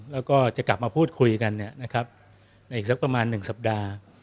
แล้วก็จะกลับมาพูดคุยกันในอีกสักประมาณ๑สัปดาห์